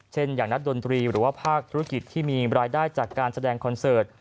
อย่างนักดนตรีหรือว่าภาคธุรกิจที่มีรายได้จากการแสดงคอนเสิร์ต